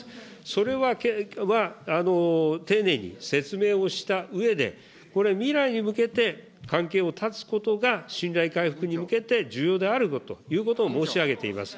それは丁寧に説明をしたうえで、これ、未来に向けて関係を断つことが信頼回復に向けて、重要であるということを申し上げています。